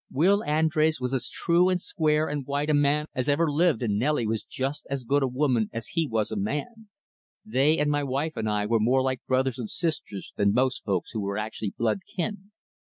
Will Andrés was as true and square and white a man as ever lived and Nelly was just as good a woman as he was a man. They and my wife and I were more like brothers and sisters than most folks who are actually blood kin.